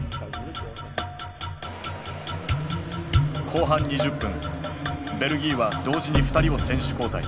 後半２０分ベルギーは同時に２人を選手交代。